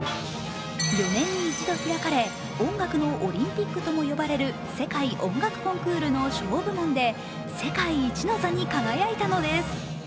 ４年に一度開かれ音楽のオリンピックとも呼ばれる世界音楽コンクールのショー部門で世界一の座に輝いたのです。